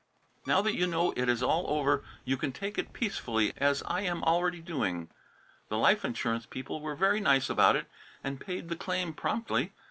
Now that you know it is all over, you can take it peacefully, as I am already doing. The life insurance people were very nice about it and paid the claim promptly.